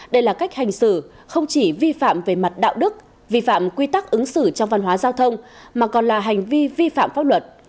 đây là cách hành xử không chỉ vi phạm về mặt đạo đức vi phạm quy tắc ứng xử trong văn hóa giao thông mà còn là hành vi vi phạm pháp luật